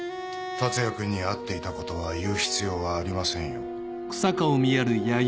達也君に会っていたことは言う必要はありませんよ。